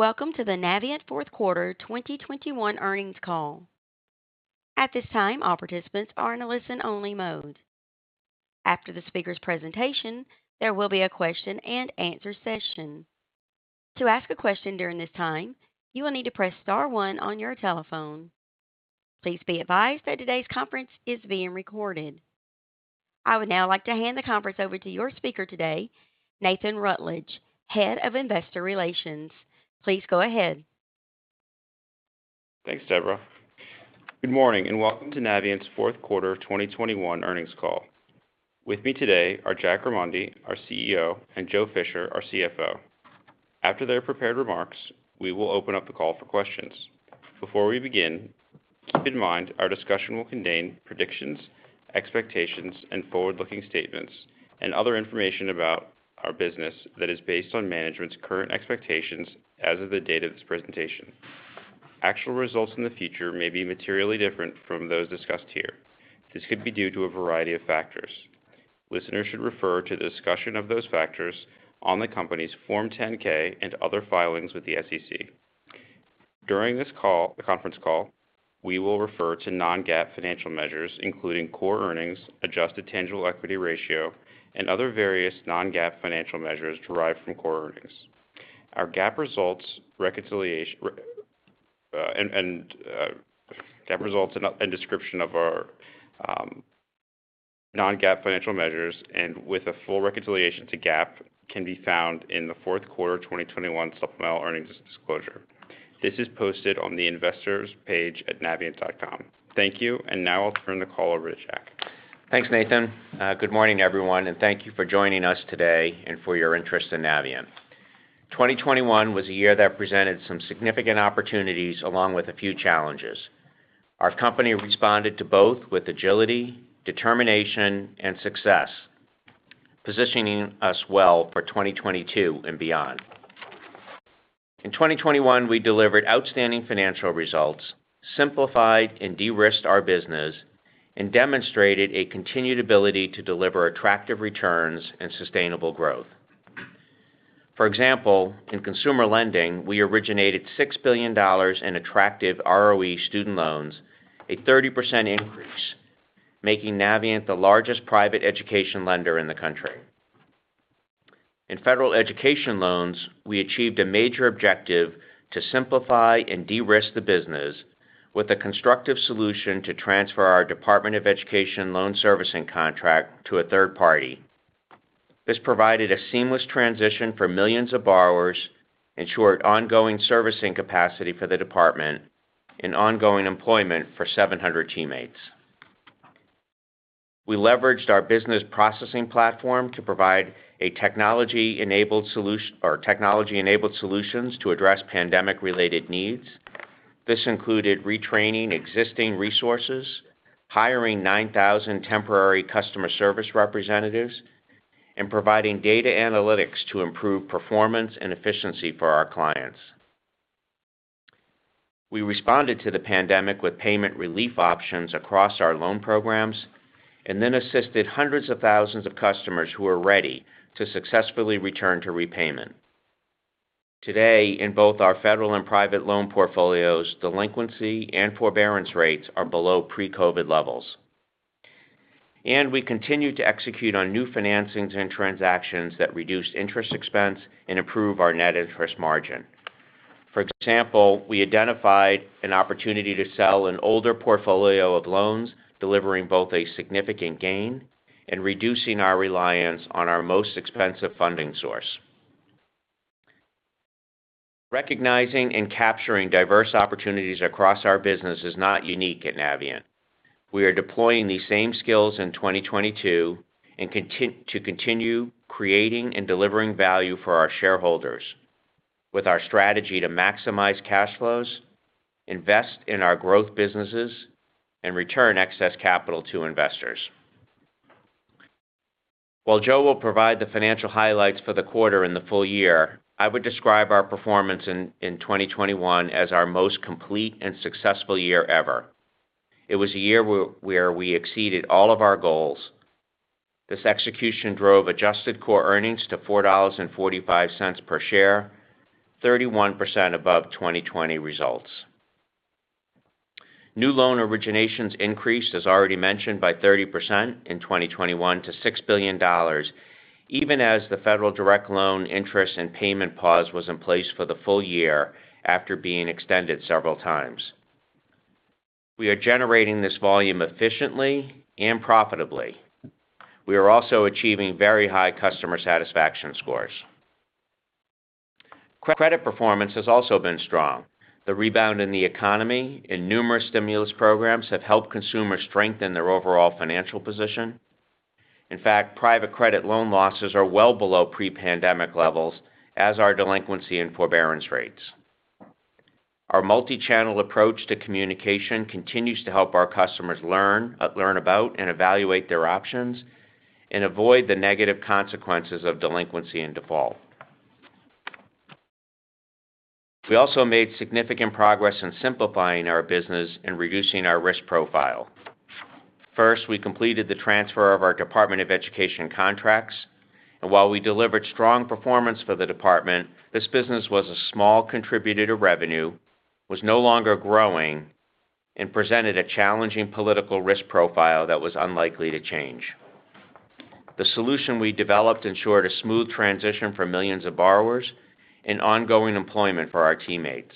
Welcome to the Navient Fourth Quarter 2021 Earnings Call. At this time, all participants are in a listen-only mode. After the speaker's presentation, there will be a question-and-answer session. To ask a question during this time, you will need to press star one on your telephone. Please be advised that today's conference is being recorded. I would now like to hand the conference over to your speaker today, Nathan Rutledge, head of investor relations. Please go ahead. Thanks, Deborah. Good morning and welcome to Navient's Fourth Quarter 2021 Earnings Call. With me today are Jack Remondi, our CEO, and Joe Fisher, our CFO. After their prepared remarks, we will open up the call for questions. Before we begin, keep in mind our discussion will contain predictions, expectations, and forward-looking statements and other information about our business that is based on management's current expectations as of the date of this presentation. Actual results in the future may be materially different from those discussed here. This could be due to a variety of factors. Listeners should refer to the discussion of those factors on the company's Form 10-K and other filings with the SEC. During this conference call, we will refer to non-GAAP financial measures, including Core Earnings, Adjusted Tangible Equity Ratio, and other various non-GAAP financial measures derived from Core Earnings. Our GAAP results, reconciliation and description of our non-GAAP financial measures with a full reconciliation to GAAP can be found in the fourth quarter of 2021 supplemental earnings disclosure. This is posted on the investors page at navient.com. Thank you, and now I'll turn the call over to Jack. Thanks, Nathan. Good morning, everyone, and thank you for joining us today and for your interest in Navient. 2021 was a year that presented some significant opportunities along with a few challenges. Our company responded to both with agility, determination, and success, positioning us well for 2022 and beyond. In 2021, we delivered outstanding financial results, simplified and de-risked our business, and demonstrated a continued ability to deliver attractive returns and sustainable growth. For example, in consumer lending, we originated $6 billion in attractive ROE student loans, a 30% increase, making Navient the largest private education lender in the country. In federal education loans, we achieved a major objective to simplify and de-risk the business with a constructive solution to transfer our Department of Education loan servicing contract to a third party. This provided a seamless transition for millions of borrowers, ensured ongoing servicing capacity for the department, and ongoing employment for 700 teammates. We leveraged our business processing platform to provide technology-enabled solutions to address pandemic-related needs. This included retraining existing resources, hiring 9,000 temporary customer service representatives, and providing data analytics to improve performance and efficiency for our clients. We responded to the pandemic with payment relief options across our loan programs and then assisted hundreds of thousands of customers who were ready to successfully return to repayment. Today, in both our federal and private loan portfolios, delinquency and forbearance rates are below pre-COVID levels. We continue to execute on new financings and transactions that reduce interest expense and improve our net interest margin. For example, we identified an opportunity to sell an older portfolio of loans, delivering both a significant gain and reducing our reliance on our most expensive funding source. Recognizing and capturing diverse opportunities across our business is not unique at Navient. We are deploying these same skills in 2022 and to continue creating and delivering value for our shareholders with our strategy to maximize cash flows, invest in our growth businesses, and return excess capital to investors. While Joe will provide the financial highlights for the quarter and the full year, I would describe our performance in 2021 as our most complete and successful year ever. It was a year where we exceeded all of our goals. This execution drove Adjusted Core Earnings to $4.45 per share, 31% above 2020 results. New loan originations increased, as already mentioned, by 30% in 2021 to $6 billion, even as the federal direct loan interest and payment pause was in place for the full year after being extended several times. We are generating this volume efficiently and profitably. We are also achieving very high customer satisfaction scores. Credit performance has also been strong. The rebound in the economy and numerous stimulus programs have helped consumers strengthen their overall financial position. In fact, private credit loan losses are well below pre-pandemic levels, as are delinquency and forbearance rates. Our multi-channel approach to communication continues to help our customers learn about and evaluate their options and avoid the negative consequences of delinquency and default. We also made significant progress in simplifying our business and reducing our risk profile. First, we completed the transfer of our Department of Education contracts, and while we delivered strong performance for the department, this business was a small contributor to revenue, was no longer growing, and presented a challenging political risk profile that was unlikely to change. The solution we developed ensured a smooth transition for millions of borrowers and ongoing employment for our teammates.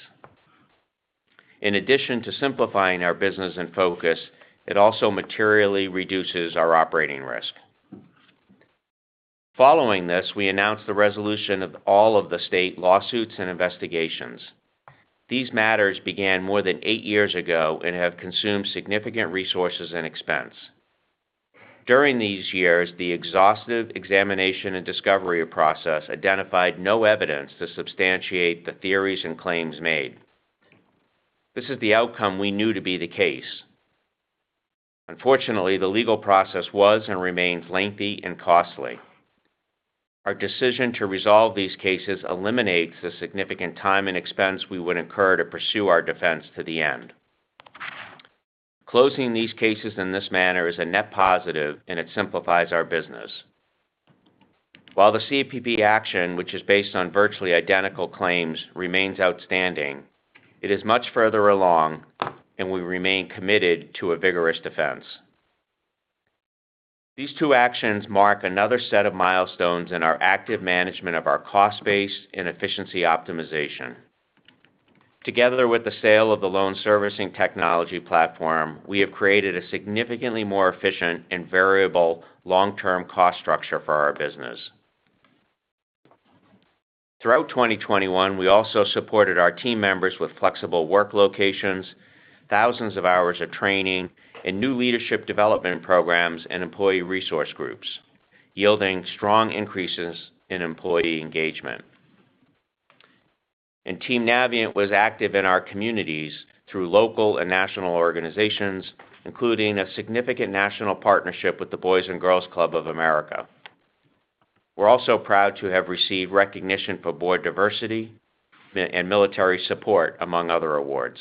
In addition to simplifying our business and focus, it also materially reduces our operating risk. Following this, we announced the resolution of all of the state lawsuits and investigations. These matters began more than eight years ago and have consumed significant resources and expense. During these years, the exhaustive examination and discovery process identified no evidence to substantiate the theories and claims made. This is the outcome we knew to be the case. Unfortunately, the legal process was and remains lengthy and costly. Our decision to resolve these cases eliminates the significant time and expense we would incur to pursue our defense to the end. Closing these cases in this manner is a net positive, and it simplifies our business. While the CFPB action, which is based on virtually identical claims, remains outstanding, it is much further along, and we remain committed to a vigorous defense. These two actions mark another set of milestones in our active management of our cost base and efficiency optimization. Together with the sale of the loan servicing technology platform, we have created a significantly more efficient and variable long-term cost structure for our business. Throughout 2021, we also supported our team members with flexible work locations, thousands of hours of training and new leadership development programs and employee resource groups, yielding strong increases in employee engagement. Team Navient was active in our communities through local and national organizations, including a significant national partnership with the Boys & Girls Clubs of America. We're also proud to have received recognition for board diversity and military support, among other awards.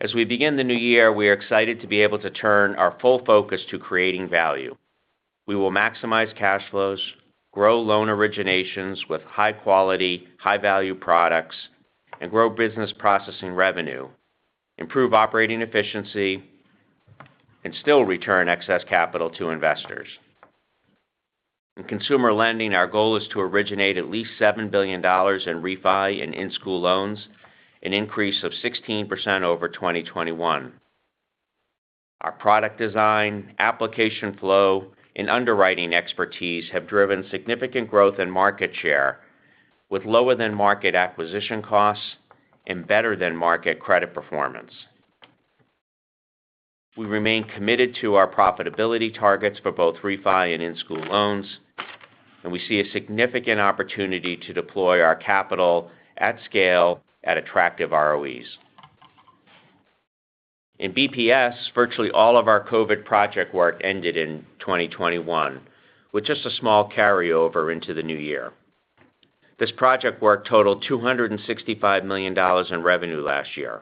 As we begin the new year, we are excited to be able to turn our full focus to creating value. We will maximize cash flows, grow loan originations with high quality, high value products, and grow business processing revenue, improve operating efficiency, and still return excess capital to investors. In consumer lending, our goal is to originate at least $7 billion in refi and in-school loans, an increase of 16% over 2021. Our product design, application flow, and underwriting expertise have driven significant growth in market share with lower than market acquisition costs and better than market credit performance. We remain committed to our profitability targets for both refi and in-school loans, and we see a significant opportunity to deploy our capital at scale at attractive ROEs. In BPS, virtually all of our COVID project work ended in 2021, with just a small carryover into the new year. This project work totaled $265 million in revenue last year.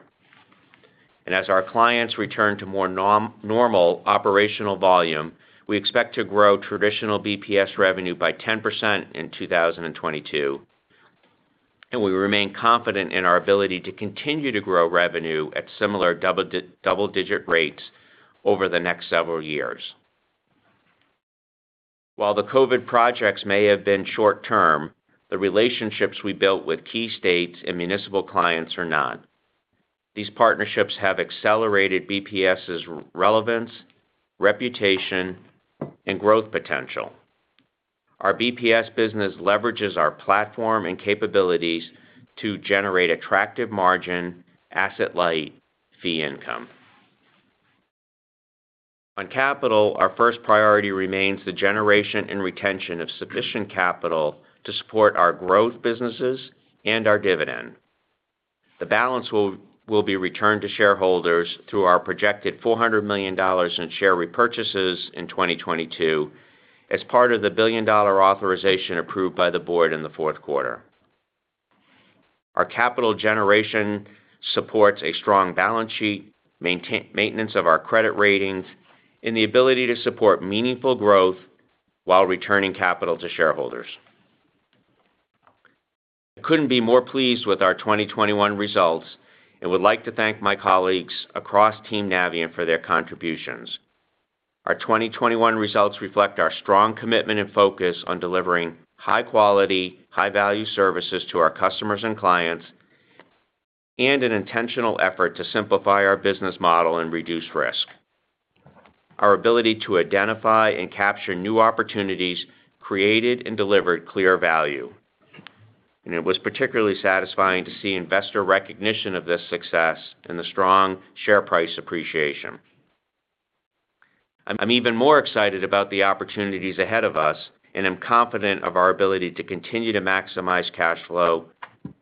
As our clients return to more normal operational volume, we expect to grow traditional BPS revenue by 10% in 2022, and we remain confident in our ability to continue to grow revenue at similar double-digit rates over the next several years. While the COVID projects may have been short-term, the relationships we built with key states and municipal clients are not. These partnerships have accelerated BPS's relevance, reputation, and growth potential. Our BPS business leverages our platform and capabilities to generate attractive margin, asset-light fee income. On capital, our first priority remains the generation and retention of sufficient capital to support our growth businesses and our dividend. The balance will be returned to shareholders through our projected $400 million in share repurchases in 2022 as part of the billion-dollar authorization approved by the board in the fourth quarter. Our capital generation supports a strong balance sheet, maintenance of our credit ratings, and the ability to support meaningful growth while returning capital to shareholders. I couldn't be more pleased with our 2021 results and would like to thank my colleagues across team Navient for their contributions. Our 2021 results reflect our strong commitment and focus on delivering high quality, high value services to our customers and clients and an intentional effort to simplify our business model and reduce risk. Our ability to identify and capture new opportunities created and delivered clear value. It was particularly satisfying to see investor recognition of this success and the strong share price appreciation. I'm even more excited about the opportunities ahead of us, and I'm confident of our ability to continue to maximize cash flow,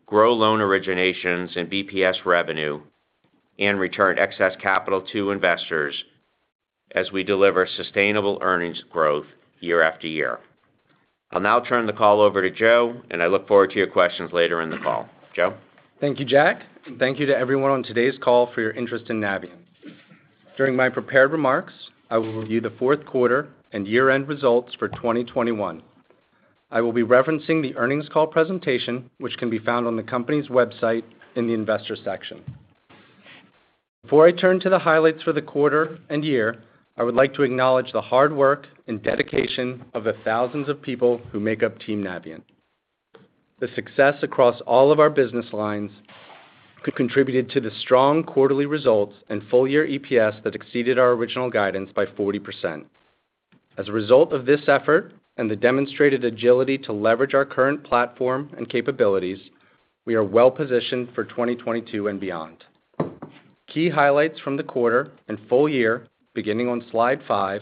grow loan originations and BPS revenue, and return excess capital to investors as we deliver sustainable earnings growth year after year. I'll now turn the call over to Joe, and I look forward to your questions later in the call. Joe? Thank you, Jack, and thank you to everyone on today's call for your interest in Navient. During my prepared remarks, I will review the fourth quarter and year-end results for 2021. I will be referencing the earnings call presentation, which can be found on the company's website in the Investors section. Before I turn to the highlights for the quarter and year, I would like to acknowledge the hard work and dedication of the thousands of people who make up team Navient. The success across all of our business lines contributed to the strong quarterly results and full year EPS that exceeded our original guidance by 40%. As a result of this effort and the demonstrated agility to leverage our current platform and capabilities, we are well-positioned for 2022 and beyond. Key highlights from the quarter and full year, beginning on slide five,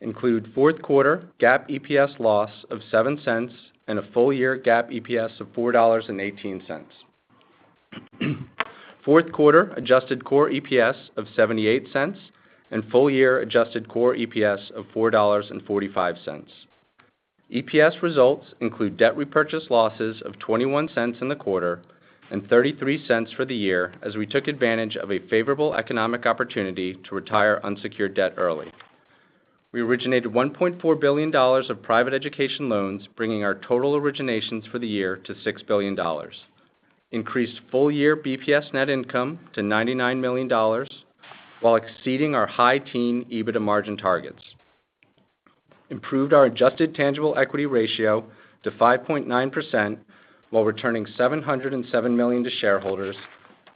include fourth quarter GAAP EPS loss of $0.07 and a full year GAAP EPS of $4.18. Fourth quarter adjusted core EPS of $0.78 and full year adjusted core EPS of $4.45. EPS results include debt repurchase losses of $0.21 in the quarter and $0.33 for the year as we took advantage of a favorable economic opportunity to retire unsecured debt early. We originated $1.4 billion of private education loans, bringing our total originations for the year to $6 billion. Increased full year BPS net income to $99 million while exceeding our high teen EBITDA margin targets. Improved our Adjusted Tangible Equity Ratio to 5.9% while returning $707 million to shareholders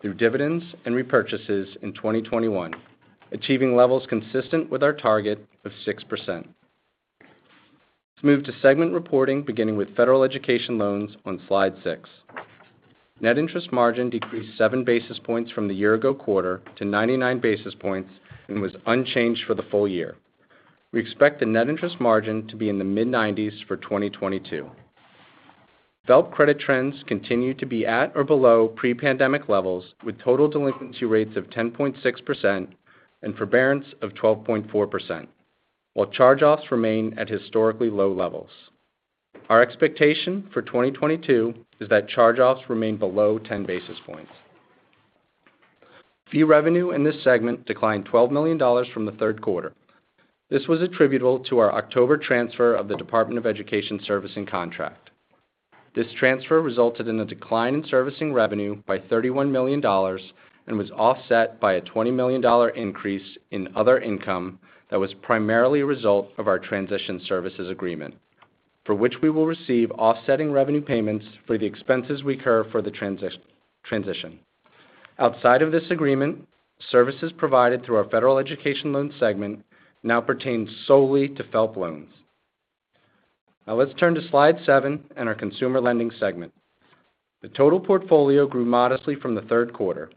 through dividends and repurchases in 2021, achieving levels consistent with our target of 6%. Let's move to segment reporting, beginning with federal education loans on slide six. Net interest margin decreased seven basis points from the year ago quarter to 99 basis points and was unchanged for the full year. We expect the net interest margin to be in the mid-90s for 2022. FFELP credit trends continue to be at or below pre-pandemic levels with total delinquency rates of 10.6% and forbearance of 12.4%, while charge-offs remain at historically low levels. Our expectation for 2022 is that charge-offs remain below 10 basis points. Fee revenue in this segment declined $12 million from the third quarter. This was attributable to our October transfer of the Department of Education servicing contract. This transfer resulted in a decline in servicing revenue by $31 million and was offset by a $20 million increase in other income that was primarily a result of our transition services agreement, for which we will receive offsetting revenue payments for the expenses we incur for the transition. Outside of this agreement, services provided through our Federal Education Loan segment now pertain solely to FFELP loans. Now let's turn to slide seven and our Consumer Lending segment. The total portfolio grew modestly from the third quarter.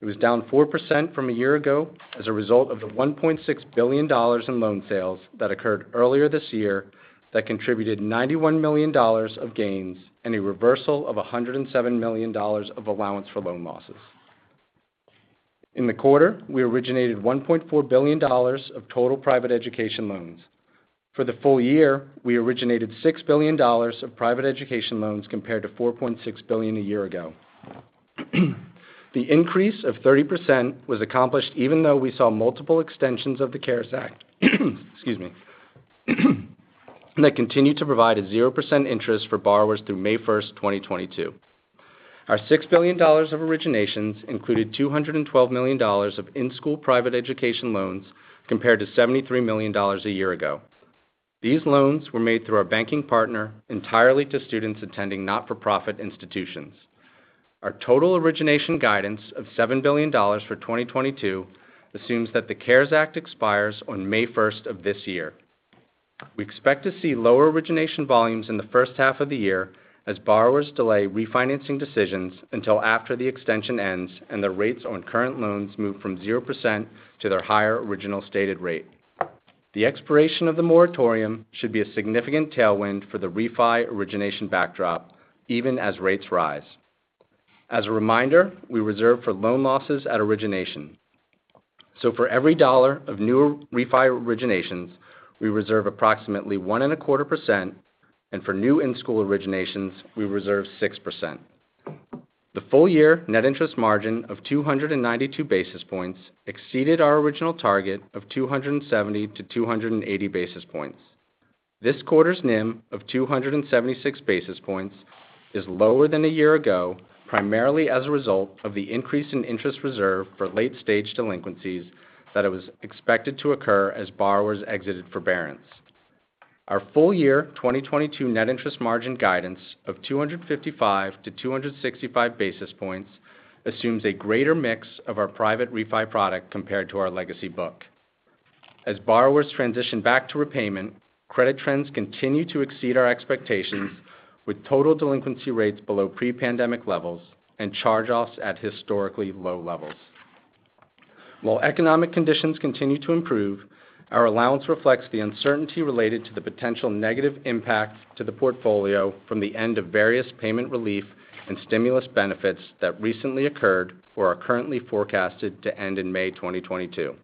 It was down 4% from a year ago as a result of the $1.6 billion in loan sales that occurred earlier this year that contributed $91 million of gains and a reversal of $107 million of allowance for loan losses. In the quarter, we originated $1.4 billion of total private education loans. For the full year, we originated $6 billion of private education loans compared to $4.6 billion a year ago. The increase of 30% was accomplished even though we saw multiple extensions of the CARES Act excuse me, that continued to provide a 0% interest for borrowers through May 1st, 2022. Our $6 billion of originations included $212 million of in-school private education loans, compared to $73 million a year ago. These loans were made through our banking partner entirely to students attending not-for-profit institutions. Our total origination guidance of $7 billion for 2022 assumes that the CARES Act expires on May 1st of this year. We expect to see lower origination volumes in the first half of the year as borrowers delay refinancing decisions until after the extension ends and the rates on current loans move from 0% to their higher original stated rate. The expiration of the moratorium should be a significant tailwind for the refi origination backdrop, even as rates rise. As a reminder, we reserve for loan losses at origination. For every dollar of new refi originations, we reserve approximately 1.25%, and for new in-school originations, we reserve 6%. The full year net interest margin of 292 basis points exceeded our original target of 270-280 basis points. This quarter's NIM of 276 basis points is lower than a year ago, primarily as a result of the increase in interest reserve for late-stage delinquencies that was expected to occur as borrowers exited forbearance. Our full year 2022 net interest margin guidance of 255-265 basis points assumes a greater mix of our private refi product compared to our legacy book. As borrowers transition back to repayment, credit trends continue to exceed our expectations with total delinquency rates below pre-pandemic levels and charge-offs at historically low levels. While economic conditions continue to improve, our allowance reflects the uncertainty related to the potential negative impact to the portfolio from the end of various payment relief and stimulus benefits that recently occurred or are currently forecasted to end in May 2022.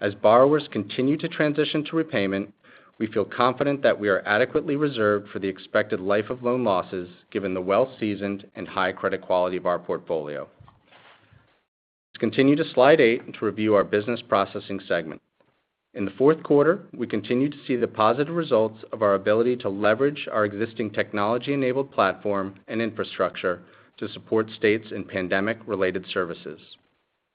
As borrowers continue to transition to repayment, we feel confident that we are adequately reserved for the expected life of loan losses, given the well-seasoned and high credit quality of our portfolio. Continue to slide eight, and to review our Business Processing segment. In the fourth quarter, we continued to see the positive results of our ability to leverage our existing technology-enabled platform and infrastructure to support states in pandemic-related services.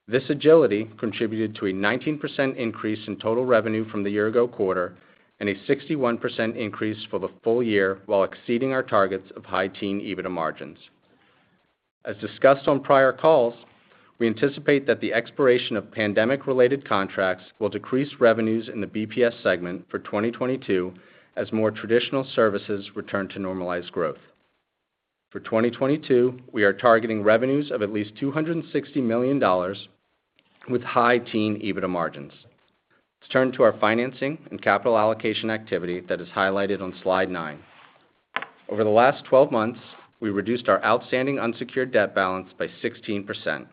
This agility contributed to a 19% increase in total revenue from the year-ago quarter and a 61% increase for the full year, while exceeding our targets of high-teens EBITDA margins. As discussed on prior calls, we anticipate that the expiration of pandemic-related contracts will decrease revenues in the BPS segment for 2022 as more traditional services return to normalized growth. For 2022, we are targeting revenues of at least $260 million with high-teens EBITDA margins. Let's turn to our financing and capital allocation activity that is highlighted on slide nine. Over the last 12 months, we reduced our outstanding unsecured debt balance by 16%.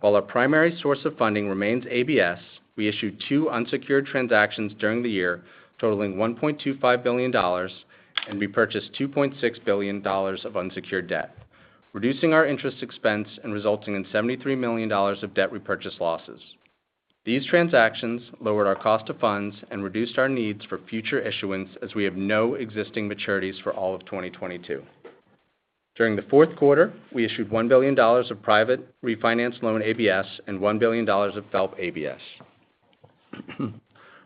While our primary source of funding remains ABS, we issued two unsecured transactions during the year, totaling $1.25 billion, and we purchased $2.6 billion of unsecured debt, reducing our interest expense and resulting in $73 million of debt repurchase losses. These transactions lowered our cost of funds and reduced our needs for future issuance, as we have no existing maturities for all of 2022. During the fourth quarter, we issued $1 billion of private refinance loan ABS and $1 billion of FFELP ABS.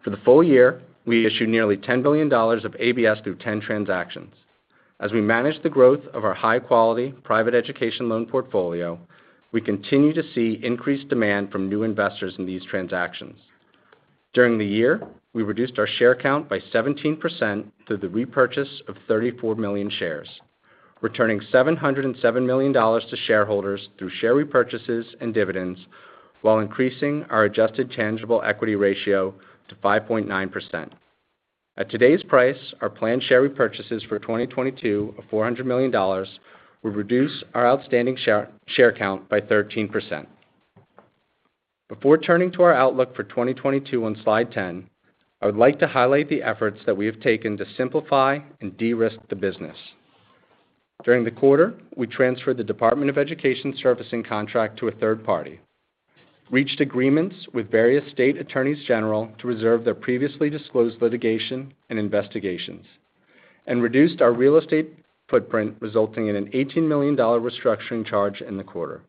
For the full year, we issued nearly $10 billion of ABS through 10 transactions. As we manage the growth of our high-quality private education loan portfolio, we continue to see increased demand from new investors in these transactions. During the year, we reduced our share count by 17% through the repurchase of 34 million shares, returning $707 million to shareholders through share repurchases and dividends, while increasing our Adjusted Tangible Equity Ratio to 5.9%. At today's price, our planned share repurchases for 2022 of $400 million will reduce our outstanding share count by 13%. Before turning to our outlook for 2022 on slide 10, I would like to highlight the efforts that we have taken to simplify and de-risk the business. During the quarter, we transferred the Department of Education servicing contract to a third party, reached agreements with various state attorneys general to resolve their previously disclosed litigation and investigations, and reduced our real estate footprint, resulting in an $18 million restructuring charge in the quarter.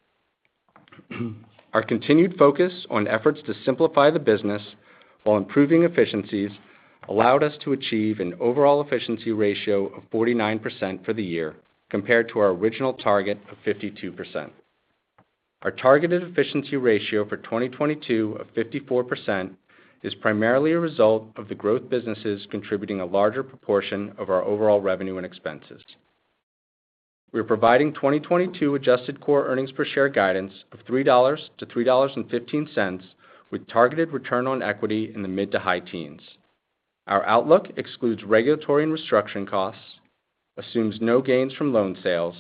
Our continued focus on efforts to simplify the business while improving efficiencies allowed us to achieve an overall efficiency ratio of 49% for the year, compared to our original target of 52%. Our targeted efficiency ratio for 2022 of 54% is primarily a result of the growth businesses contributing a larger proportion of our overall revenue and expenses. We're providing 2022 adjusted core earnings per share guidance of $3-$3.15 with targeted return on equity in the mid to high teens. Our outlook excludes regulatory and restructuring costs, assumes no gains from loan sales,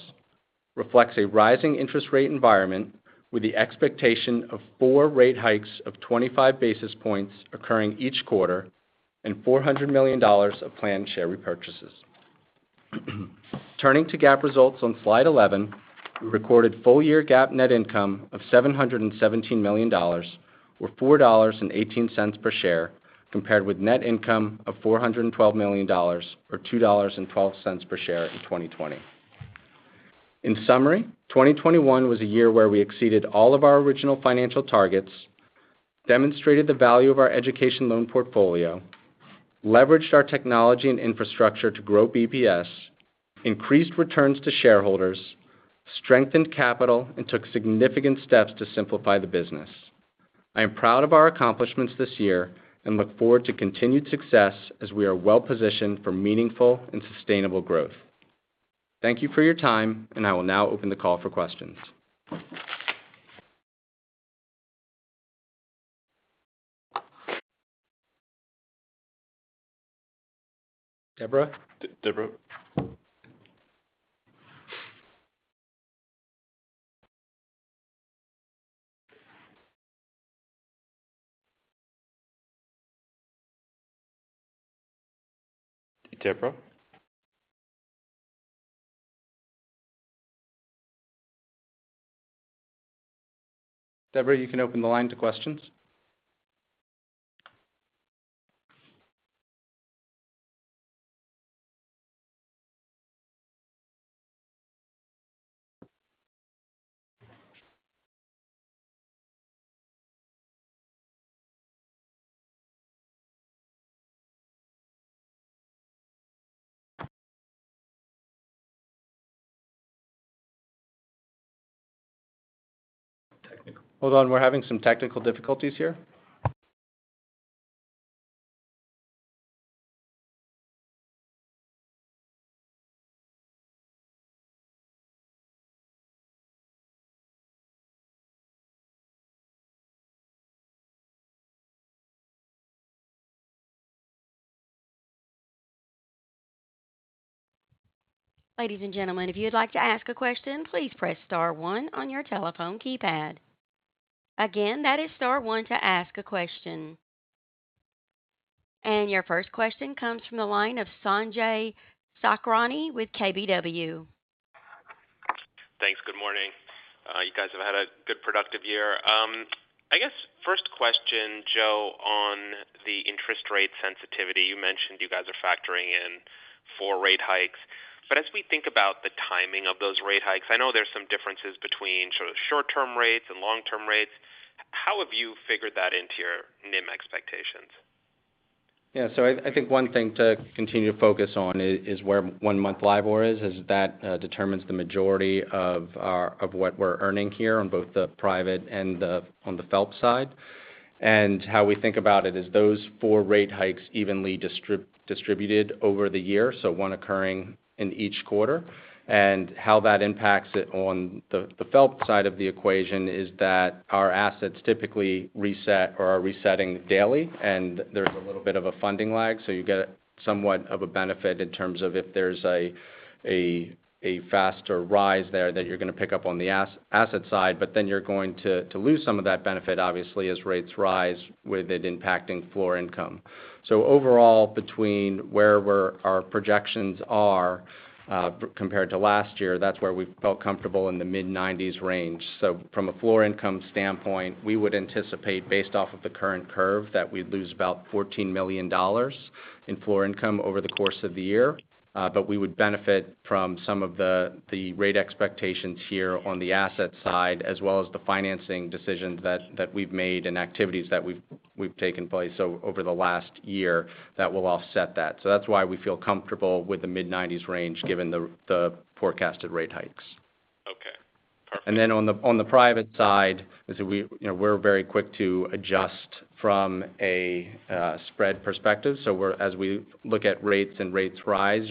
reflects a rising interest rate environment with the expectation of four rate hikes of 25 basis points occurring each quarter, and $400 million of planned share repurchases. Turning to GAAP results on slide 11, we recorded full-year GAAP net income of $717 million or $4.18 per share, compared with net income of $412 million or $2.12 per share in 2020. In summary, 2021 was a year where we exceeded all of our original financial targets, demonstrated the value of our education loan portfolio, leveraged our technology and infrastructure to grow BPS, increased returns to shareholders, strengthened capital, and took significant steps to simplify the business. I am proud of our accomplishments this year and look forward to continued success as we are well-positioned for meaningful and sustainable growth. Thank you for your time, and I will now open the call for questions. Deborah, you can open the line to questions. Technical- Hold on. We're having some technical difficulties here. Ladies and gentlemen if you would like to ask a question press star one on your telephone keypad. Again that is star one to ask a question. Your first question comes from the line of Sanjay Sakhrani with KBW. Thanks. Good morning. You guys have had a good productive year. I guess first question, Joe, on the interest rate sensitivity. You mentioned you guys are factoring in 4 rate hikes, but as we think about the timing of those rate hikes, I know there's some differences between sort of short-term rates and long-term rates. How have you figured that into your NIM expectations? Yeah. I think one thing to continue to focus on is where one-month LIBOR is, as that determines the majority of what we're earning here on both the private and the FFELP side. How we think about it is those four rate hikes evenly distributed over the year, so one occurring in each quarter. How that impacts it on the FFELP side of the equation is that our assets typically reset or are resetting daily, and there's a little bit of a funding lag, so you get somewhat of a benefit in terms of if there's a faster rise there that you're gonna pick up on the asset side, but then you're going to lose some of that benefit obviously as rates rise with it impacting floor income. Overall, between where our projections are compared to last year, that's where we felt comfortable in the mid-90s range. From a floor income standpoint, we would anticipate based off of the current curve, that we'd lose about $14 million in floor income over the course of the year. But we would benefit from some of the rate expectations here on the asset side, as well as the financing decisions that we've made and activities that we've taken place over the last year that will offset that. That's why we feel comfortable with the mid-90s range given the forecasted rate hikes. Okay. Perfect. On the private side, so we, you know, we're very quick to adjust from a spread perspective. As we look at rates and rates rise,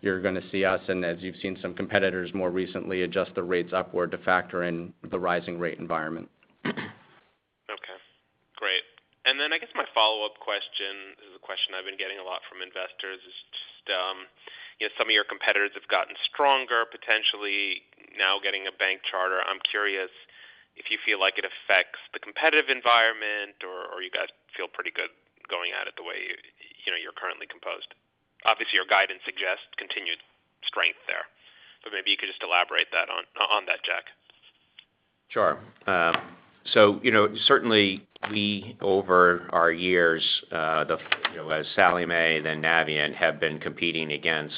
you're gonna see us and as you've seen some competitors more recently adjust the rates upward to factor in the rising rate environment. Okay. Great. I guess my follow-up question is a question I've been getting a lot from investors. It's just, you know, some of your competitors have gotten stronger, potentially now getting a bank charter. I'm curious if you feel like it affects the competitive environment or you guys feel pretty good going at it the way, you know, you're currently composed. Obviously, your guidance suggests continued strength there, but maybe you could just elaborate that on that, Jack. Sure. So, you know, certainly we over our years, the, you know, as Sallie Mae then Navient have been competing against,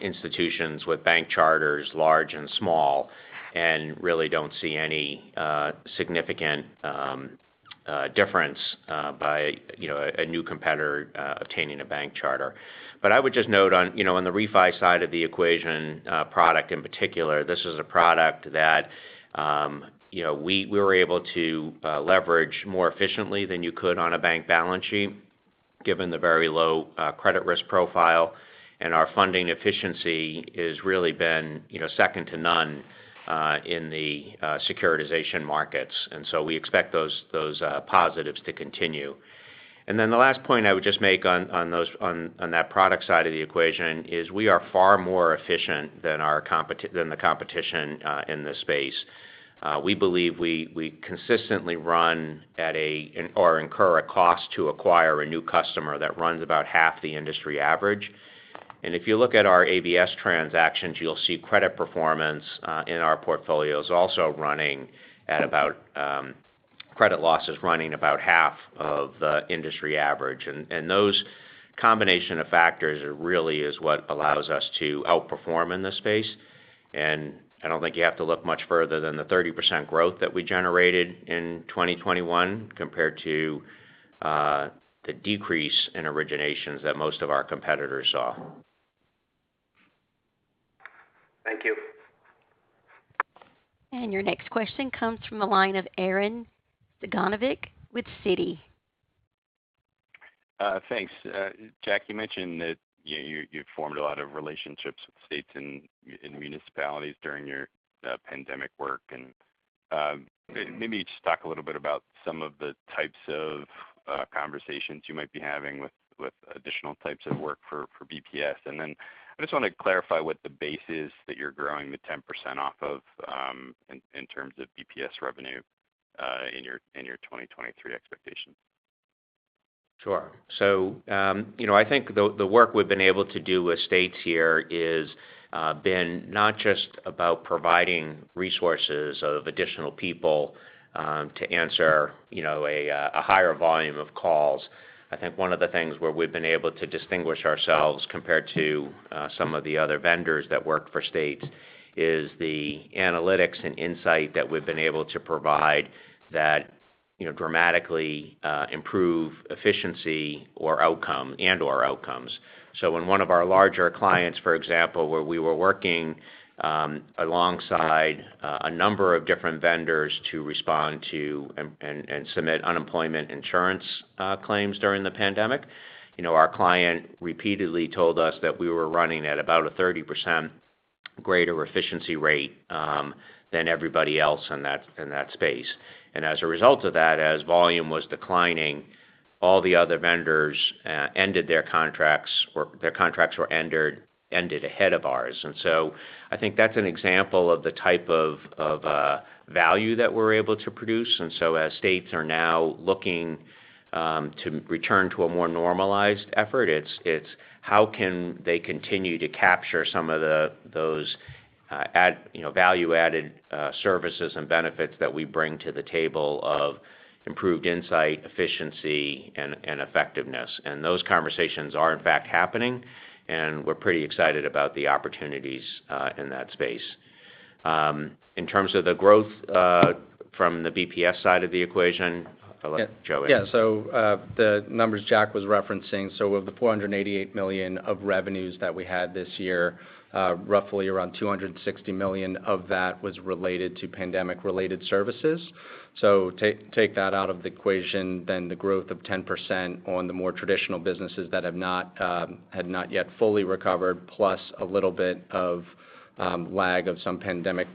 institutions with bank charters large and small, and really don't see any, significant, difference, by, you know, a new competitor, obtaining a bank charter. I would just note on, you know, on the refi side of the equation, product in particular, this is a product that, you know, we were able to, leverage more efficiently than you could on a bank balance sheet, given the very low, credit risk profile. Our funding efficiency is really been, you know, second to none, in the, securitization markets. We expect those positives to continue. The last point I would just make on that product side of the equation is we are far more efficient than the competition in this space. We believe we consistently run at or incur a cost to acquire a new customer that runs about half the industry average. If you look at our ABS transactions, you'll see credit performance in our portfolios also running at about credit losses running about half of the industry average. Those combination of factors really is what allows us to outperform in this space, and I don't think you have to look much further than the 30% growth that we generated in 2021 compared to the decrease in originations that most of our competitors saw. Thank you. Your next question comes from the line of Arren Cyganovich with Citi. Thanks. Jack, you mentioned that you formed a lot of relationships with states and municipalities during your pandemic work. Maybe just talk a little bit about some of the types of conversations you might be having with additional types of work for BPS. Then I just want to clarify what the base is that you're growing the 10% off of, in terms of BPS revenue, in your 2023 expectations. Sure. I think the work we've been able to do with states here is been not just about providing resources of additional people to answer, you know, a higher volume of calls. I think one of the things where we've been able to distinguish ourselves compared to some of the other vendors that work for states is the analytics and insight that we've been able to provide that, you know, dramatically improve efficiency or outcome and/or outcomes. When one of our larger clients, for example, where we were working alongside a number of different vendors to respond to and submit unemployment insurance claims during the pandemic, you know, our client repeatedly told us that we were running at about a 30% greater efficiency rate than everybody else in that space. As a result of that, as volume was declining, all the other vendors ended their contracts or their contracts were ended ahead of ours. I think that's an example of the type of value that we're able to produce. As states are now looking to return to a more normalized effort, it's how can they continue to capture some of those value-added services and benefits that we bring to the table of improved insight, efficiency, and effectiveness. Those conversations are in fact happening, and we're pretty excited about the opportunities in that space. In terms of the growth from the BPS side of the equation, I'll let Joe answer. The numbers Jack was referencing, of the $488 million of revenues that we had this year, roughly around $260 million of that was related to pandemic-related services. Take that out of the equation, then the growth of 10% on the more traditional businesses that have not yet fully recovered, plus a little bit of lag of some pandemic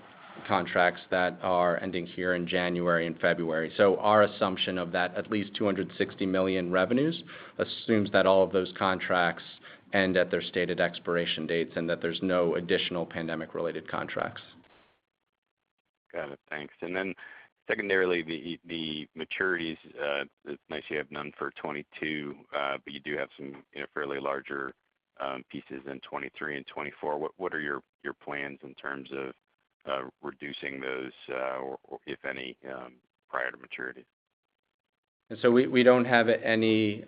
contracts that are ending here in January and February. Our assumption of at least $260 million revenues assumes that all of those contracts end at their stated expiration dates and that there's no additional pandemic-related contracts. Got it. Thanks. Secondarily, the maturities, it's nice you have none for 2022, but you do have some, you know, fairly larger pieces in 2023 and 2024. What are your plans in terms of reducing those, or if any, prior to maturity? We don't have any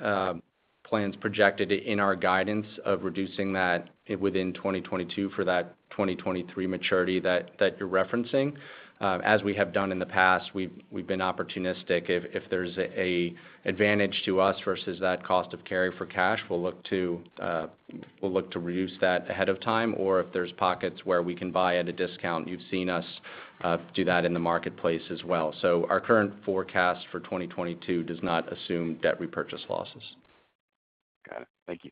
plans projected in our guidance of reducing that within 2022 for that 2023 maturity that you're referencing. As we have done in the past, we've been opportunistic. If there's an advantage to us versus that cost of carry for cash, we'll look to reduce that ahead of time, or if there's pockets where we can buy at a discount. You've seen us do that in the marketplace as well. Our current forecast for 2022 does not assume debt repurchase losses. Got it. Thank you.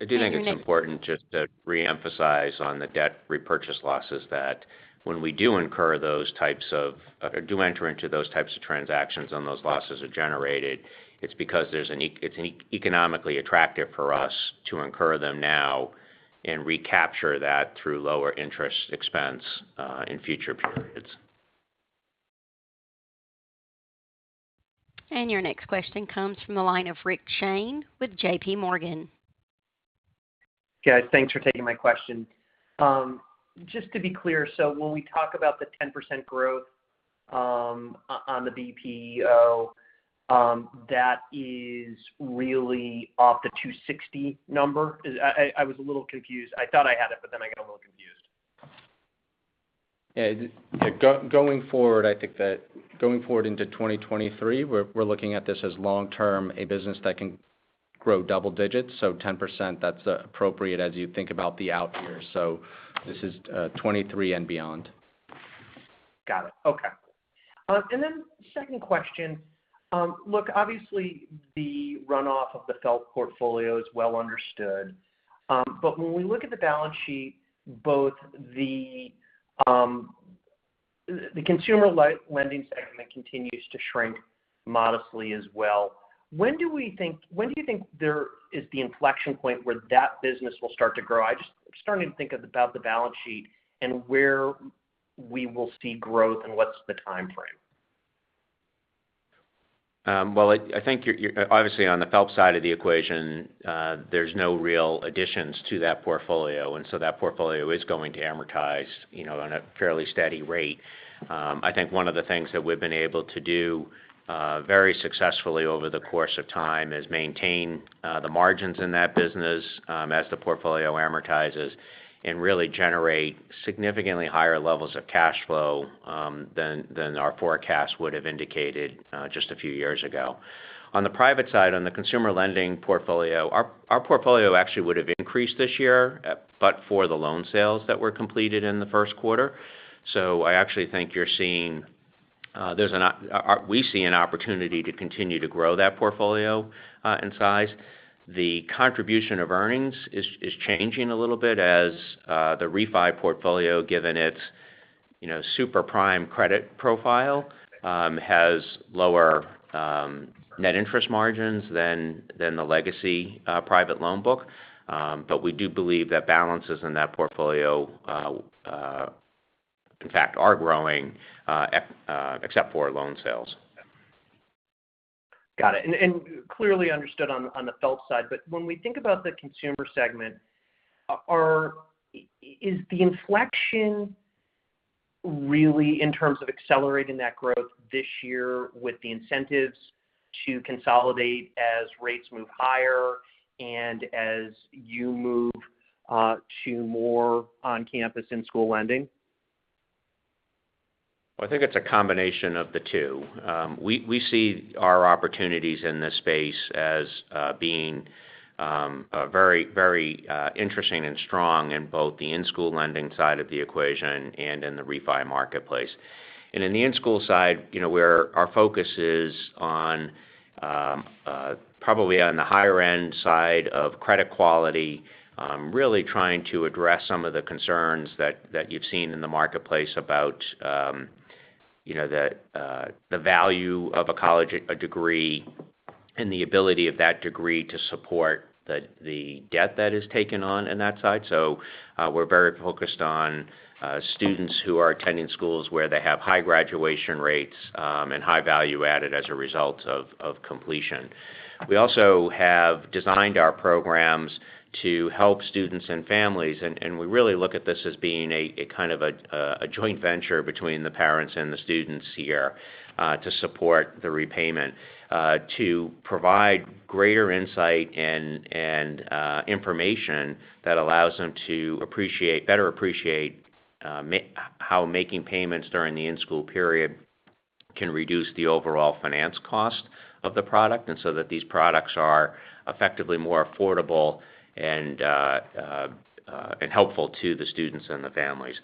I do think it's important just to reemphasize on the debt repurchase losses that when we do enter into those types of transactions and those losses are generated, it's because it's economically attractive for us to incur them now and recapture that through lower interest expense in future periods. Your next question comes from the line of Rick Shane with JP Morgan. Guys, thanks for taking my question. Just to be clear, so when we talk about the 10% growth, on the BPO, that is really off the 260 number? I was a little confused. I thought I had it, but then I got a little confused. Yeah. Going forward, I think that going forward into 2023, we're looking at this as long term, a business that can grow double digits. Ten percent, that's appropriate as you think about the out years. This is 2023 and beyond. Got it. Okay. Second question. Look, obviously the runoff of the FFELP portfolio is well understood. When we look at the balance sheet, both the consumer lending segment continues to shrink modestly as well. When do you think there is the inflection point where that business will start to grow? Starting to think about the balance sheet and where we will see growth and what's the timeframe. Well, I think you're obviously on the FFELP side of the equation. There's no real additions to that portfolio, and so that portfolio is going to amortize, you know, on a fairly steady rate. I think one of the things that we've been able to do very successfully over the course of time is maintain the margins in that business as the portfolio amortizes and really generate significantly higher levels of cash flow than our forecast would have indicated just a few years ago. On the private side, on the consumer lending portfolio, our portfolio actually would have increased this year, but for the loan sales that were completed in the first quarter. I actually think you're seeing. We see an opportunity to continue to grow that portfolio in size. The contribution of earnings is changing a little bit as the refi portfolio, given its, you know, super prime credit profile, has lower net interest margins than the legacy private loan book. We do believe that balances in that portfolio, in fact, are growing except for loan sales. Got it. Clearly understood on the FFELP side. When we think about the consumer segment, is the inflection really in terms of accelerating that growth this year with the incentives to consolidate as rates move higher and as you move to more on-campus and school lending? I think it's a combination of the two. We see our opportunities in this space as being a very interesting and strong in both the in-school lending side of the equation and in the refi marketplace. In the in-school side, you know, where our focus is on probably on the higher end side of credit quality, really trying to address some of the concerns that you've seen in the marketplace about you know, the value of a college, a degree, and the ability of that degree to support the debt that is taken on in that side. We're very focused on students who are attending schools where they have high graduation rates and high value added as a result of completion. We also have designed our programs to help students and families, and we really look at this as being a kind of a joint venture between the parents and the students here to support the repayment. To provide greater insight and information that allows them to better appreciate how making payments during the in-school period can reduce the overall finance cost of the product. That these products are effectively more affordable and helpful to the students and the families.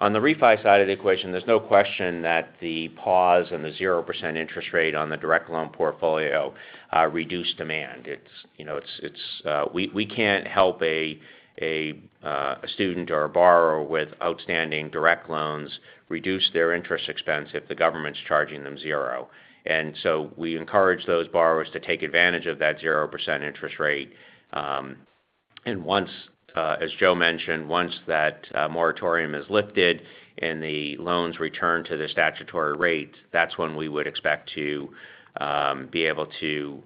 On the refi side of the equation, there's no question that the pause and the 0% interest rate on the direct loan portfolio reduced demand. It's, you know, it. We can't help a student or a borrower with outstanding direct loans reduce their interest expense if the government's charging them zero. We encourage those borrowers to take advantage of that 0% interest rate. Once, as Joe mentioned, once that moratorium is lifted and the loans return to the statutory rate, that's when we would expect to be able to,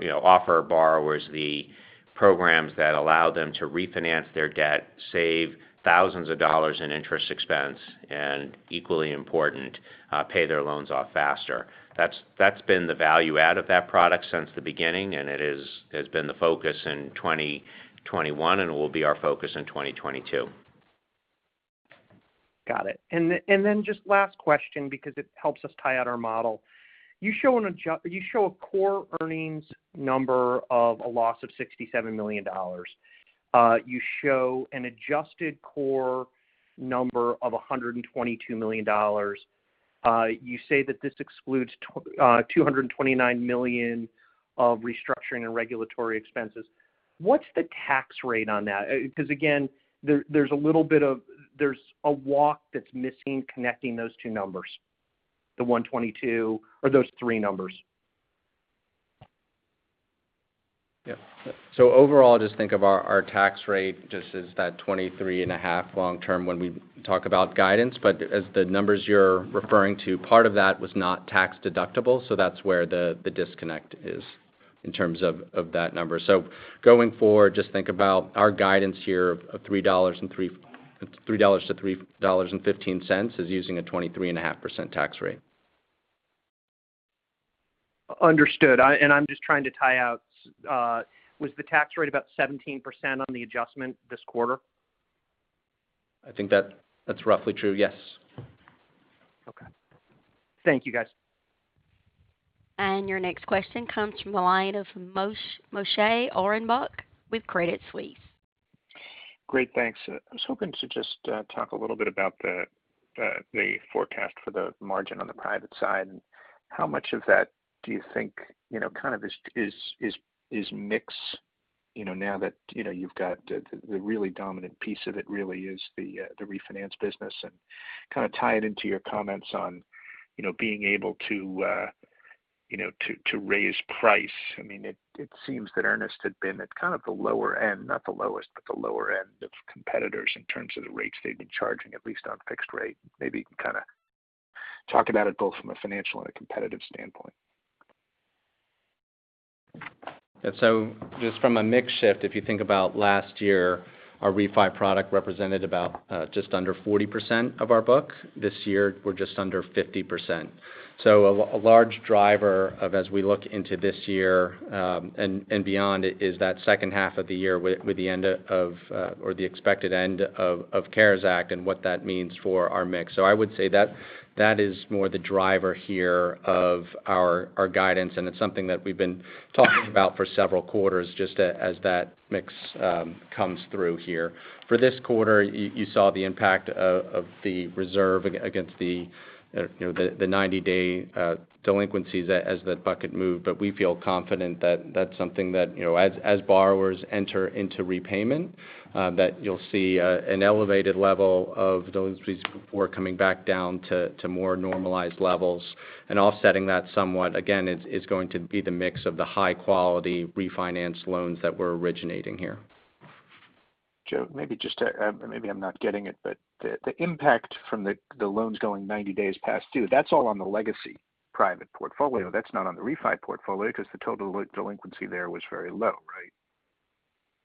you know, offer borrowers the programs that allow them to refinance their debt, save thousands of dollars in interest expense, and equally important, pay their loans off faster. That's been the value add of that product since the beginning, and it has been the focus in 2021, and it will be our focus in 2022. Got it. Then just last question, because it helps us tie out our model. You show a Core Earnings number of a loss of $67 million. You show an adjusted core number of $122 million. You say that this excludes $229 million of restructuring and regulatory expenses. What's the tax rate on that? Because again, there's a little bit of a walk that's missing connecting those two numbers, the 122 or those three numbers. Yeah. Overall, just think of our tax rate just as that 23.5 long term when we talk about guidance. But as the numbers you're referring to, part of that was not tax deductible, so that's where the disconnect is in terms of that number. Going forward, just think about our guidance here of $3-$3.15 is using a 23.5% tax rate. Understood. I'm just trying to tie out. Was the tax rate about 17% on the adjustment this quarter? I think that's roughly true, yes. Okay. Thank you, guys. Your next question comes from the line of Moshe Orenbuch with Credit Suisse. Great, thanks. I was hoping to just talk a little bit about the forecast for the margin on the private side, and how much of that do you think, you know, kind of is mix, you know, now that, you know, you've got the really dominant piece of it really is the refinance business. Kind of tie it into your comments on, you know, being able to, you know, to raise price. I mean, it seems that Earnest had been at kind of the lower end, not the lowest, but the lower end of competitors in terms of the rates they've been charging, at least on fixed rate. Maybe you can kind of talk about it both from a financial and a competitive standpoint. Yeah. Just from a mix shift, if you think about last year, our refi product represented about just under 40% of our book. This year, we're just under 50%. A large driver, as we look into this year and beyond, is that second half of the year with the end of or the expected end of CARES Act and what that means for our mix. I would say that is more the driver here of our guidance, and it's something that we've been talking about for several quarters just as that mix comes through here. For this quarter, you saw the impact of the reserve against the you know, the 90-day delinquencies as that bucket moved. We feel confident that that's something that, you know, as borrowers enter into repayment, that you'll see an elevated level of those before coming back down to more normalized levels. Offsetting that somewhat, again, is going to be the mix of the high-quality refinance loans that we're originating here. Joe, maybe I'm not getting it, but the impact from the loans going 90 days past due, that's all on the legacy private portfolio. That's not on the refi portfolio because the total delinquency there was very low, right?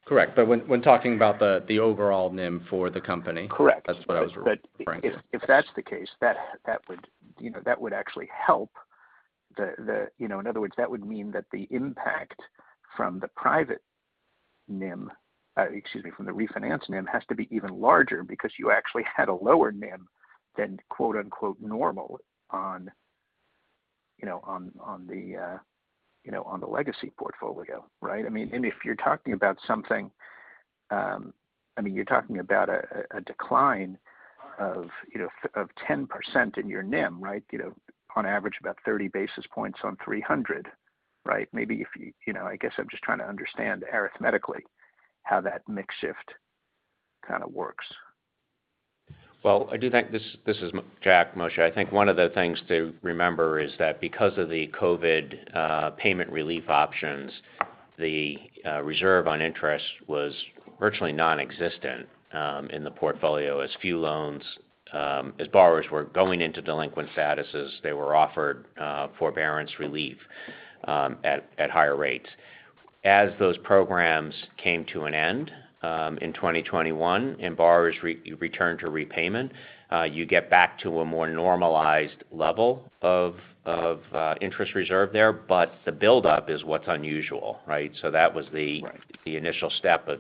Correct. When talking about the overall NIM for the company. Correct That's what I was referring to. If that's the case, that would actually help the. You know, in other words, that would mean that the impact from the private NIM, excuse me, from the refinance NIM has to be even larger because you actually had a lower NIM than quote-unquote normal on the legacy portfolio, right? I mean, if you're talking about a decline of 10% in your NIM, right? You know, on average about 30 basis points on 300, right? Maybe if you. You know, I guess I'm just trying to understand arithmetically how that mix shift- Kind of works. Well, I do think this is Jack, Moshe. I think one of the things to remember is that because of the COVID payment relief options, the reserve on interest was virtually nonexistent in the portfolio as few loans as borrowers were going into delinquent statuses, they were offered forbearance relief at higher rates. As those programs came to an end in 2021 and borrowers return to repayment, you get back to a more normalized level of interest reserve there, but the buildup is what's unusual, right? That was the- Right the initial step of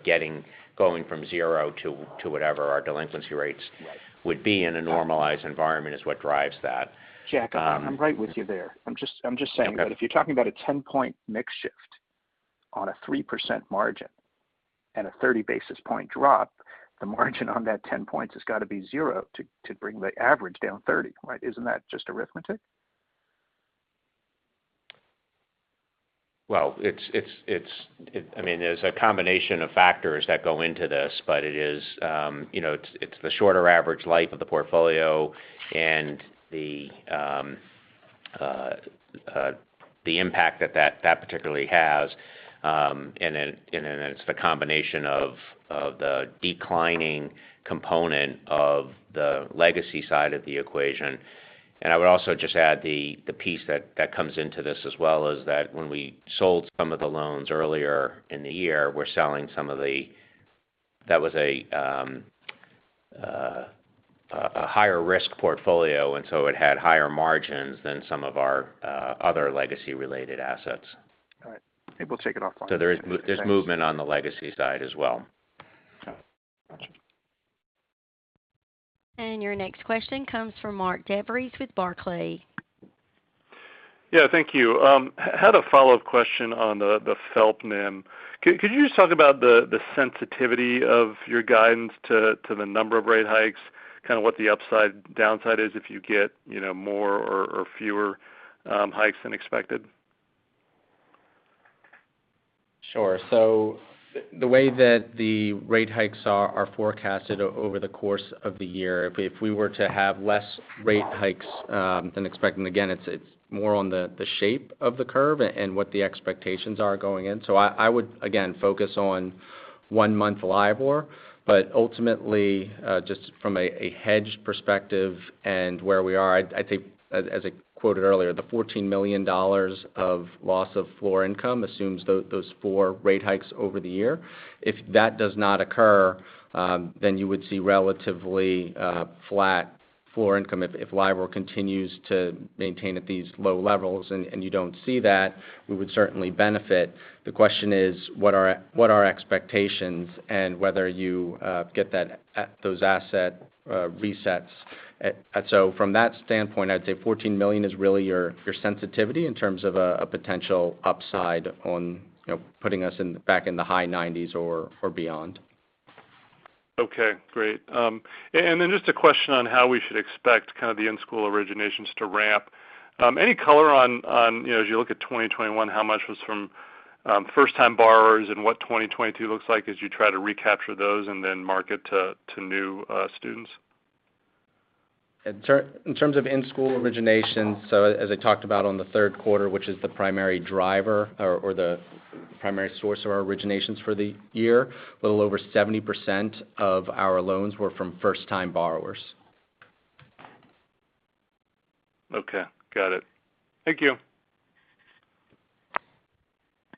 going from zero to whatever our delinquency rates. Right would be in a normalized environment is what drives that. Jack, I'm right with you there. I'm just saying that if you're talking about a 10-point mix shift on a 3% margin and a 30 basis point drop, the margin on that 10 points has got to be zero to bring the average down 30. Right? Isn't that just arithmetic? Well, it's—I mean, there's a combination of factors that go into this, but it is, you know, it's the shorter average life of the portfolio and the impact that that particularly has, and then it's the combination of the declining component of the legacy side of the equation. I would also just add the piece that comes into this as well is that when we sold some of the loans earlier in the year, that was a higher risk portfolio, and so it had higher margins than some of our other legacy related assets. All right. Maybe we'll take it offline. There's movement on the legacy side as well. Gotcha. Your next question comes from Mark DeVries with Barclays. Yeah. Thank you. I had a follow-up question on the FFELP NIM. Could you just talk about the sensitivity of your guidance to the number of rate hikes, kind of what the upside/downside is if you get, you know, more or fewer hikes than expected? Sure. The way that the rate hikes are forecasted over the course of the year, if we were to have less rate hikes than expected, and again, it's more on the shape of the curve and what the expectations are going in. I would, again, focus on one month LIBOR. Ultimately, just from a hedge perspective and where we are, I think as I quoted earlier, the $14 million of loss of floor income assumes those four rate hikes over the year. If that does not occur, then you would see relatively flat floor income. If LIBOR continues to maintain at these low levels and you don't see that, we would certainly benefit. The question is what are our expectations and whether you get those asset resets. From that standpoint, I'd say $14 million is really your sensitivity in terms of a potential upside on, you know, putting us back in the high 90s or beyond. Okay, great. Then just a question on how we should expect kind of the in-school originations to ramp. Any color on, you know, as you look at 2021, how much was from first-time borrowers and what 2022 looks like as you try to recapture those and then market to new students? In terms of in-school originations, as I talked about in the third quarter, which is the primary driver or the primary source of our originations for the year, a little over 70% of our loans were from first-time borrowers. Okay. Got it. Thank you.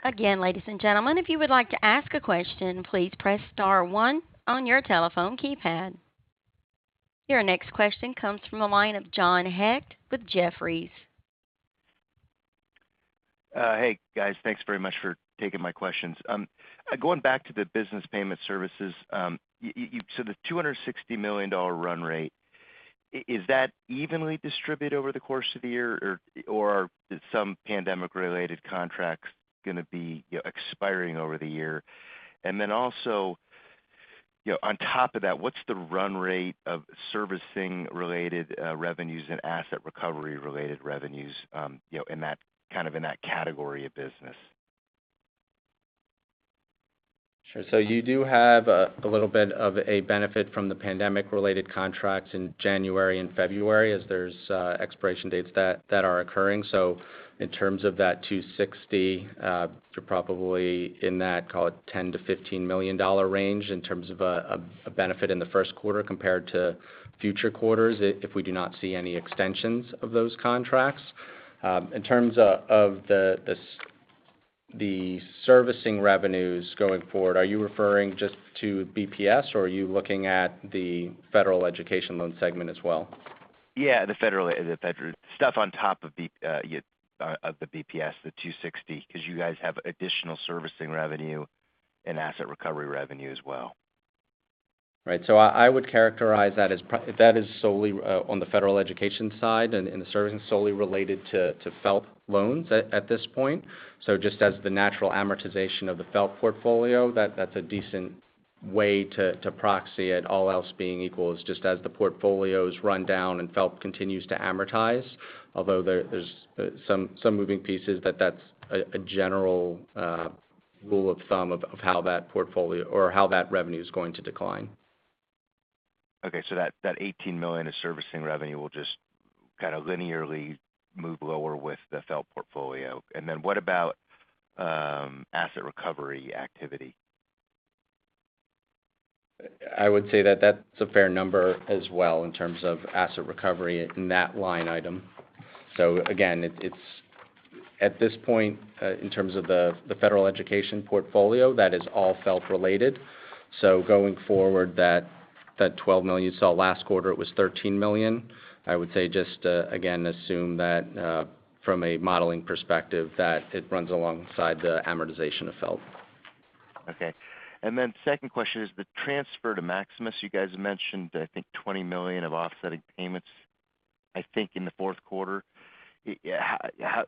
Again ladies and gentlemen if you would like to ask question please press star one on your telephone keypad. Your next question comes from the line of John Hecht with Jefferies. Hey, guys. Thanks very much for taking my questions. Going back to the business processing services, you so the $260 million run rate, is that evenly distributed over the course of the year or are some pandemic-related contracts going to be, you know, expiring over the year? Also, you know, on top of that, what's the run rate of servicing-related revenues and asset-recovery-related revenues, you know, in that kind of category of business? Sure. You do have a little bit of a benefit from the pandemic-related contracts in January and February as there's expiration dates that are occurring. In terms of that 260, you're probably in that, call it $10 million-$15 million range in terms of a benefit in the first quarter compared to future quarters if we do not see any extensions of those contracts. In terms of the servicing revenues going forward, are you referring just to BPS, or are you looking at the federal education loan segment as well? Yeah, the federal stuff on top of the BPS, the $260, 'cause you guys have additional servicing revenue and asset recovery revenue as well. Right. I would characterize that as that is solely on the federal education side and the servicing solely related to FFELP loans at this point. Just as the natural amortization of the FFELP portfolio, that's a decent way to proxy it, all else being equal, is just as the portfolios run down and FFELP continues to amortize. Although there is some moving pieces that that's a general rule of thumb of how that portfolio or how that revenue is going to decline. Okay. That $18 million is servicing revenue will just kind of linearly move lower with the FFELP portfolio. Then what about asset recovery activity? I would say that that's a fair number as well in terms of asset recovery in that line item. Again, it's at this point, in terms of the federal education portfolio, that is all FFELP related. Going forward that $12 million you saw last quarter, it was $13 million. I would say just again, assume that from a modeling perspective that it runs alongside the amortization of FFELP. Okay. Second question is the transfer to Maximus. You guys mentioned I think $20 million of offsetting payments, I think, in the fourth quarter. How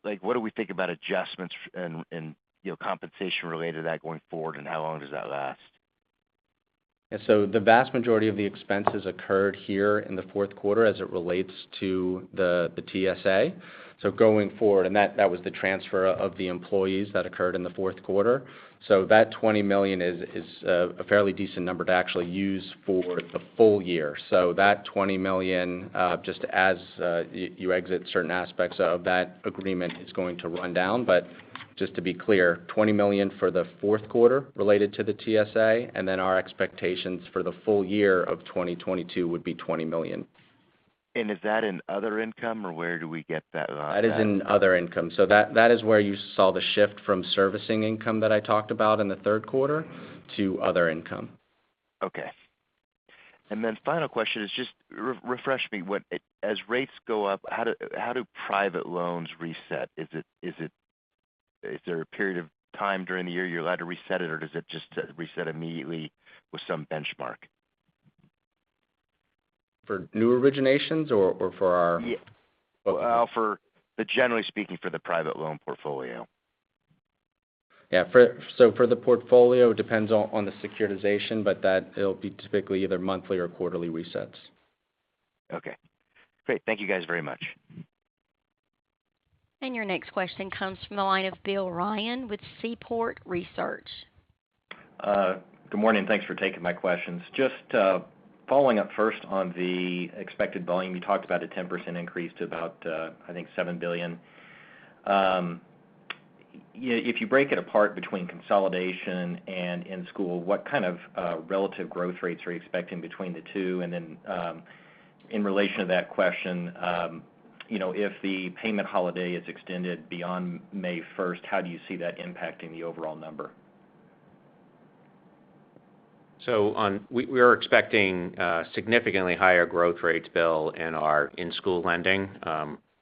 like, what do we think about adjustments and you know, compensation related to that going forward, and how long does that last? Yeah. The vast majority of the expenses occurred here in the fourth quarter as it relates to the TSA. Going forward, that was the transfer of the employees that occurred in the fourth quarter. That $20 million is a fairly decent number to actually use for the full year. That $20 million, just as you exit certain aspects of that agreement, is going to run down. Just to be clear, $20 million for the fourth quarter related to the TSA, and then our expectations for the full year of 2022 would be $20 million. Is that in other income, or where do we get that line item? That is in other income. That is where you saw the shift from servicing income that I talked about in the third quarter to other income. Okay. Final question is just refresh me. As rates go up, how do private loans reset? Is there a period of time during the year you're allowed to reset it or does it just reset immediately with some benchmark? For new originations or for our- Yeah. Generally speaking, for the private loan portfolio. Yeah. For the portfolio, it depends on the securitization, but that it'll be typically either monthly or quarterly resets. Okay. Great. Thank you guys very much. Your next question comes from the line of Bill Ryan with Seaport Research. Good morning, thanks for taking my questions. Just following up first on the expected volume. You talked about a 10% increase to about, I think $7 billion. If you break it apart between consolidation and in-school, what kind of relative growth rates are you expecting between the two? In relation to that question, you know, if the payment holiday is extended beyond May first, how do you see that impacting the overall number? We are expecting significantly higher growth rates, Bill, in our in-school lending,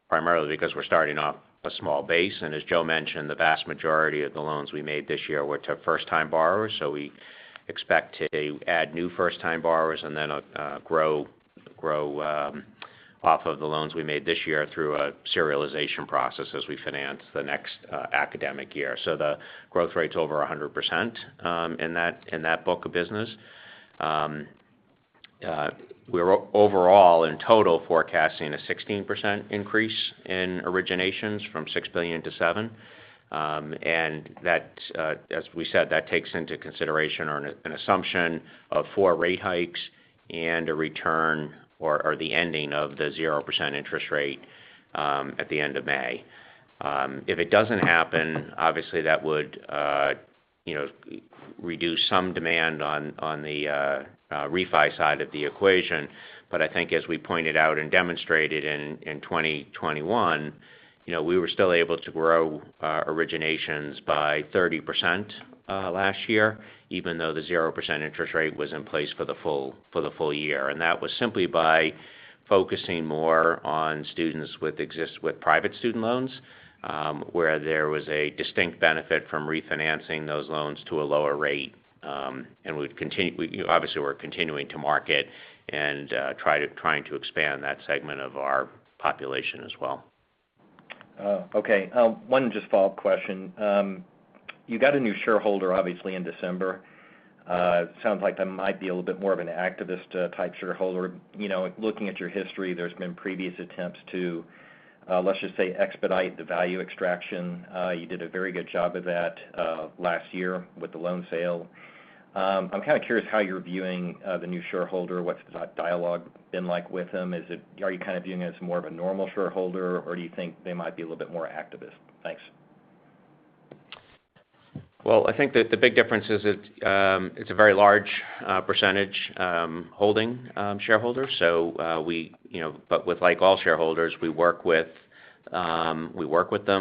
primarily because we're starting off a small base. As Joe mentioned, the vast majority of the loans we made this year were to first-time borrowers. We expect to add new first-time borrowers and then grow off of the loans we made this year through a serialization process as we finance the next academic year. The growth rate's over 100% in that book of business. We're overall in total forecasting a 16% increase in originations from $6 billion to $7 billion. That's as we said, that takes into consideration an assumption of four rate hikes and a return or the ending of the 0% interest rate at the end of May. If it doesn't happen, obviously that would, you know, reduce some demand on the refi side of the equation. I think as we pointed out and demonstrated in 2021, you know, we were still able to grow originations by 30% last year, even though the 0% interest rate was in place for the full year. That was simply by focusing more on students with private student loans, where there was a distinct benefit from refinancing those loans to a lower rate. You know, obviously, we're continuing to market and trying to expand that segment of our population as well. Oh, okay. One just follow-up question. You got a new shareholder obviously in December. It sounds like that might be a little bit more of an activist type shareholder. You know, looking at your history, there's been previous attempts to, let's just say expedite the value extraction. You did a very good job of that last year with the loan sale. I'm kind of curious how you're viewing the new shareholder. What's that dialogue been like with him? Are you kind of viewing it as more of a normal shareholder or do you think they might be a little bit more activist? Thanks. Well, I think that the big difference is it's a very large percentage holding shareholder. We, you know, but with like all shareholders we work with them,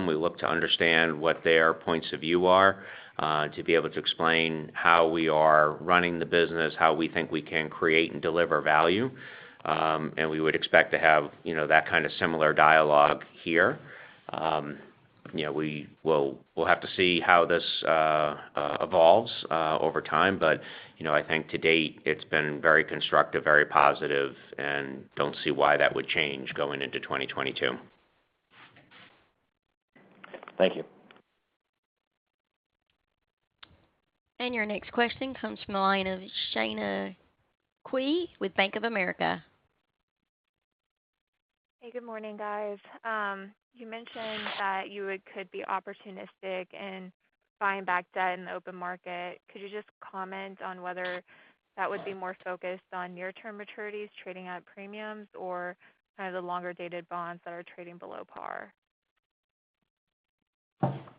we look to understand what their points of view are, to be able to explain how we are running the business, how we think we can create and deliver value. We would expect to have, you know, that kind of similar dialogue here. You know, we'll have to see how this evolves over time. You know, I think to date it's been very constructive, very positive, and I don't see why that would change going into 2022. Thank you. Your next question comes from the line of [Shaina Quie] with Bank of America. Hey, good morning, guys. You mentioned that you could be opportunistic in buying back debt in the open market. Could you just comment on whether that would be more focused on near-term maturities trading at premiums or kind of the longer-dated bonds that are trading below par?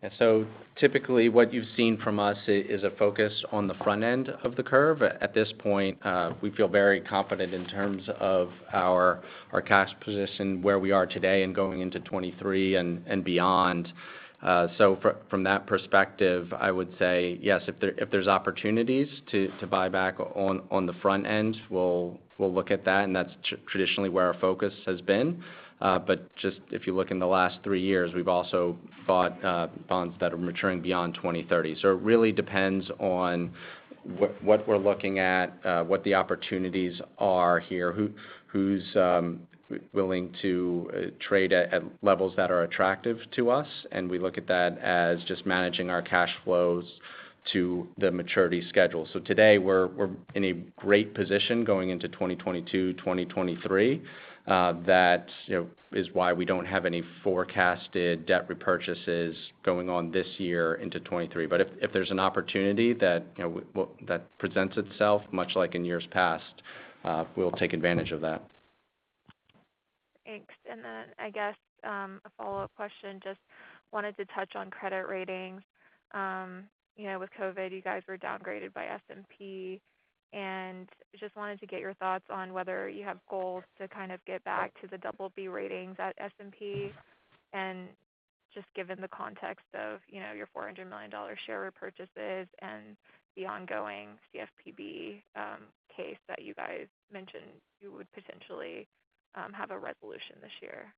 Yeah. Typically what you've seen from us is a focus on the front end of the curve. At this point, we feel very confident in terms of our cash position where we are today and going into 2023 and beyond. From that perspective, I would say yes, if there's opportunities to buy back on the front end, we'll look at that, and that's traditionally where our focus has been. But just if you look in the last three years, we've also bought bonds that are maturing beyond 2030. It really depends on what we're looking at, what the opportunities are here, who's willing to trade at levels that are attractive to us, and we look at that as just managing our cash flows to the maturity schedule. Today we're in a great position going into 2022, 2023. That, you know, is why we don't have any forecasted debt repurchases going on this year into 2023. If there's an opportunity that, you know, that presents itself, much like in years past, we'll take advantage of that. Thanks. I guess a follow-up question, just wanted to touch on credit ratings. You know, with COVID, you guys were downgraded by S&P, and just wanted to get your thoughts on whether you have goals to kind of get back to the double B ratings at S&P and just given the context of, you know, your $400 million share repurchases and the ongoing CFPB case that you guys mentioned you would potentially have a resolution this year.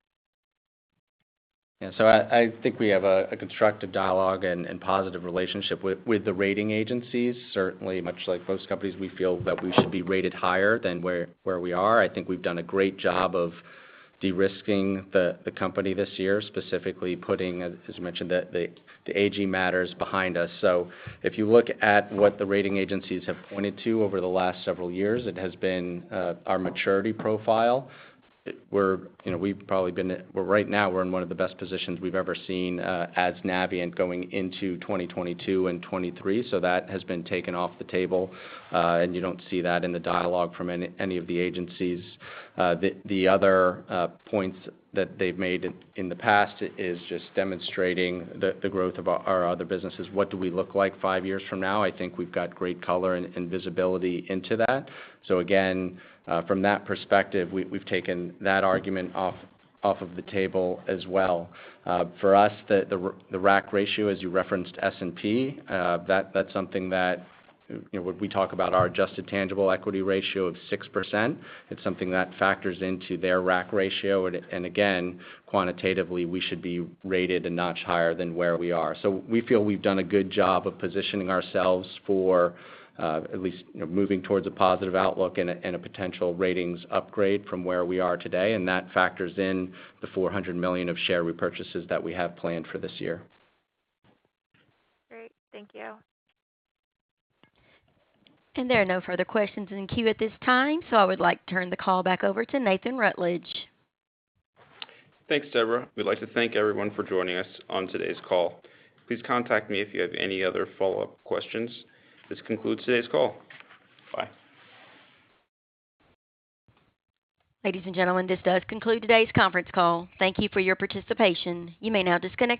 Yeah. I think we have a constructive dialogue and positive relationship with the rating agencies. Certainly, much like most companies, we feel that we should be rated higher than where we are. I think we've done a great job of de-risking the company this year, specifically putting, as mentioned, the AG matters behind us. If you look at what the rating agencies have pointed to over the last several years, it has been our maturity profile. You know, right now we're in one of the best positions we've ever seen as Navient going into 2022 and 2023. That has been taken off the table, and you don't see that in the dialogue from any of the agencies. The other points that they've made in the past is just demonstrating the growth of our other businesses. What do we look like five years from now? I think we've got great color and visibility into that. Again, from that perspective, we've taken that argument off of the table as well. For us, the RAC ratio, as you referenced, S&P, that's something that you know, when we talk about our Adjusted Tangible Equity Ratio of 6%, it's something that factors into their RAC ratio. Again, quantitatively, we should be rated a notch higher than where we are. We feel we've done a good job of positioning ourselves for at least, you know, moving towards a positive outlook and a potential ratings upgrade from where we are today, and that factors in the $400 million of share repurchases that we have planned for this year. Great. Thank you. There are no further questions in queue at this time. I would like to turn the call back over to Nathan Rutledge. Thanks, Deborah. We'd like to thank everyone for joining us on today's call. Please contact me if you have any other follow-up questions. This concludes today's call. Bye. Ladies and gentlemen, this does conclude today's conference call. Thank you for your participation. You may now disconnect.